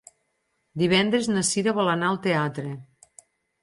Divendres na Cira vol anar al teatre.